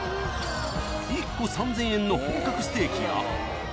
［１個３，０００円の本格ステーキや］